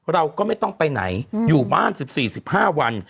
เราก็ไม่ต้องไปไหนอยู่บ้าน๑๔๑๕วัน